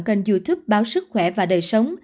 kênh youtube báo sức khỏe và đời sống